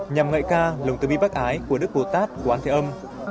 nhằm ngại ca lồng tư bi bác ái của đức bồ tát quán thế âm